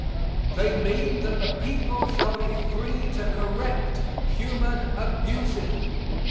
They mean that the people shall be free to correct human abuses.